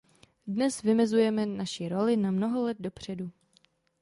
Dnes vymezujeme naši roli na mnoho let dopředu.